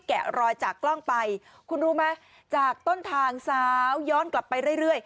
แกะรอยจากกล้องไปคุณรู้ไหมจากต้นทางสาวย้อนกลับไปเรื่อย